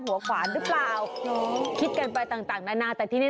หัวฝลหรือเปล่าจริงเหรอคิดกันไปต่างต่างนานาแต่ที่